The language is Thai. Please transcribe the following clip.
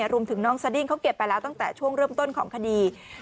รวมถึงน้องสดิ้งเขาเก็บไปแล้วตั้งแต่ช่วงเริ่มต้นของคดี